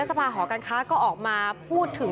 สภาหอการค้าก็ออกมาพูดถึง